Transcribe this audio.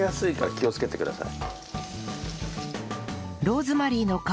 気をつけてください。